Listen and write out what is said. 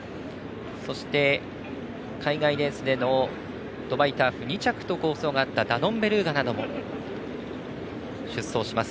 そして、海外レースでのドバイターフ２着と好走のあったダノンベルーガなども出走します。